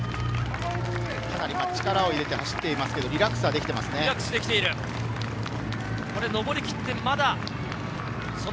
かなり力を入れて走っていますが、リラックスはできていますね。